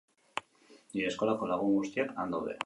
Nire eskolako lagun guztiak han daude.